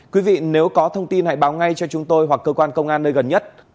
quý vị nếu có thông tin hãy báo ngay cho chúng tôi hoặc cơ quan công an nơi gần nhất